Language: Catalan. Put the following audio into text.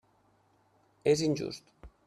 És injust.